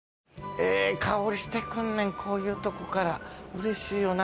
ええ香りしてくんねんこういうとこからうれしいよな。